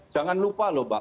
jangan lupa loh mbak